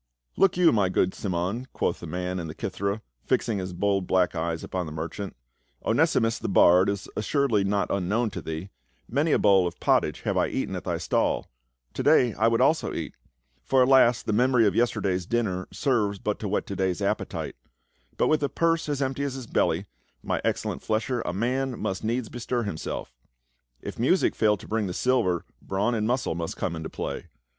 " Look you, my good Cimon," quoth the man with the kithcra, fixing his bold black eyes upon the mer chant, " Onesimus, the bard, is assuredly not unknown to thee. Many a bowl of pottage have I eaten at thy stall. To day I would also eat — for alas, the memory of yesterday's dinner serves but to whet to day's appe tite — but with a purse as empty as his belly, my excel lent flesher, a man must needs bestir himself; if music fail to bring the silver, brawn and muscle must come into play.